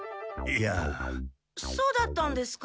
そうだったんですか？